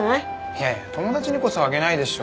いやいや友達にこそあげないでしょ。